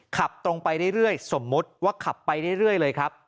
ขับตรงไปเรื่อยสมมุติว่าขับไปเรื่อยเลยครับ